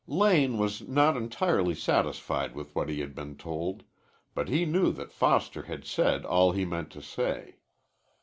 Lane was not entirely satisfied with what he had been told, but he knew that Foster had said all he meant to say.